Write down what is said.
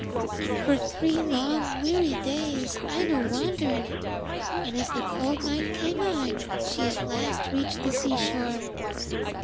For three long weary days Aino wandered, and as the cold night came on she at last reached the seashore.